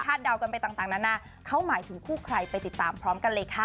เดากันไปต่างนานาเขาหมายถึงคู่ใครไปติดตามพร้อมกันเลยค่ะ